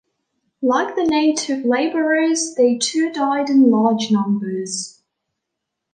Like the native laborers, they too died in large numbers.